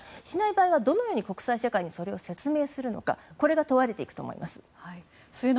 しない場合はどのように国際社会にそれを説明するのかそれが問われていくと思います。